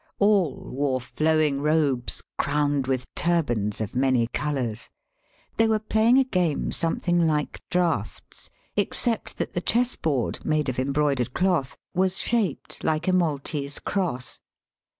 All wore flowing robes, crowned with turbans of many colours. They were playing a game something like draughts, except that the chessboard, made of embroidered cloth, was shaped like a Maltese cross.